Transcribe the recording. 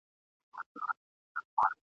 چي د زرکي په څېر تور ته خپل دوستان وړي !.